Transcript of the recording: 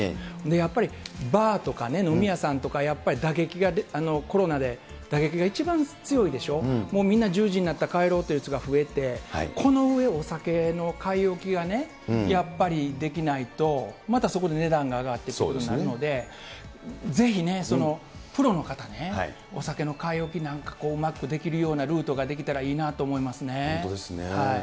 やっぱりバーとかね、飲み屋さんとかね、打撃がコロナで、打撃が一番強いでしょ、みんな１０時になった、帰ろうという人が増えて、このうえ、お酒の買い置きがやっぱりできないと、またそこで値段が上がってくるようになるので、ぜひプロの方ね、お酒の買い置きなんかうまくできるようなルートができたらいいな本当ですね。